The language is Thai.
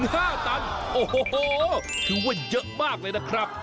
โอ้โฮคือว่าเยอะมากเลยนะครับ